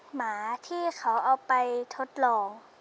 หมาที่เขาเอาไปทดลอง